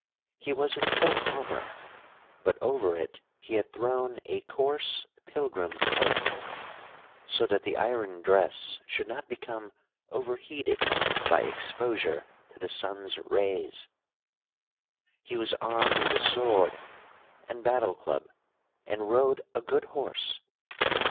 He was in full armor, but over it he had thrown a coarse pilgrim cloak, so that the iron dress should not become overheated by exposure to the sun's rays. He was armed with a sword and battle club, and rode a good horse.